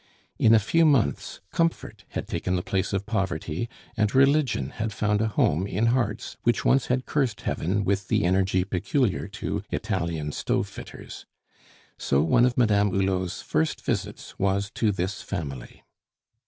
In a few months comfort had taken the place of poverty, and Religion had found a home in hearts which once had cursed Heaven with the energy peculiar to Italian stove fitters. So one of Madame Hulot's first visits was to this family.